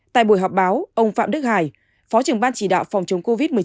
tại buổi họp báo ông phạm đức hải phó trưởng ban chỉ đạo phòng chống covid một mươi chín